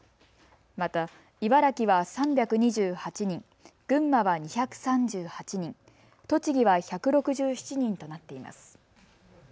また、茨城は３２８人、群馬は２３８人、栃木は１６７人となっています。